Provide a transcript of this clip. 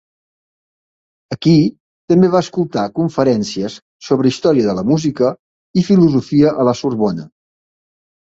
Aquí també va escoltar conferències sobre història de la música i filosofia a la Sorbona.